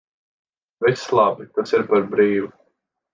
Viss labi, tas ir par brīvu.